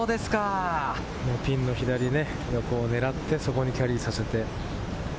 ピンの左横を狙って、そこでキャリーさせて。